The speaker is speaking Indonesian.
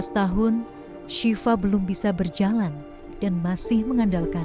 sebelas tahun syifa belum bisa berjalan dan masih mengandalkan